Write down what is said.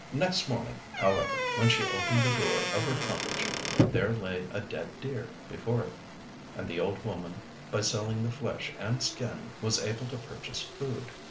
Next morning, however, when she opened the door of her cottage, there lay a dead deer before it; and the old woman, by selling the flesh and skin, was able to purchase food.